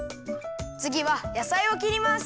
つぎはやさいをきります。